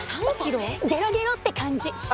ゲロゲロって感じ！